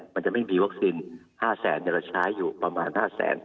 มันจะไม่มีวัคซีน๕แสนเราใช้อยู่ประมาณ๕แสน